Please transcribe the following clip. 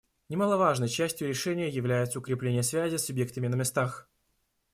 Немаловажной частью решения является укрепление связей с субъектами на местах.